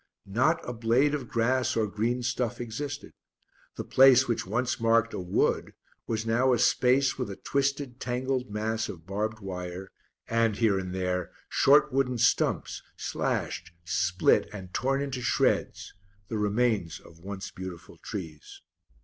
Not a blade of grass or green stuff existed; the place which once marked a wood was now a space with a twisted, tangled mass of barbed wire and, here and there, short wooden stumps, slashed, split, and torn into shreds the remains of once beautiful trees.